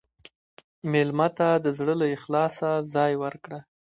مېلمه ته د زړه له اخلاصه ځای ورکړه.